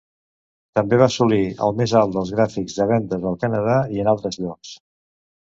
També va assolir el més alt dels gràfics de vendes al Canadà i en altres llocs.